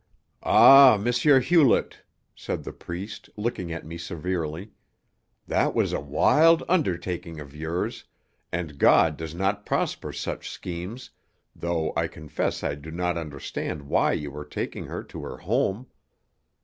"Ah, M. Hewlett," said the priest, looking at me severely, "that was a wild undertaking of yours, and God does not prosper such schemes, though I confess I do not understand why you were taking her to her home.